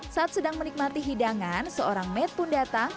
saat sedang menikmati hidangan seorang med pun datang